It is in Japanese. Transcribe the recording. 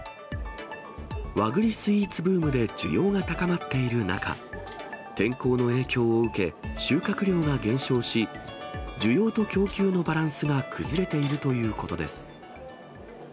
和ぐりスイーツブームで需要が高まっている中、天候の影響を受け、収穫量が減少し、需要と供給のバランスが崩れているということです。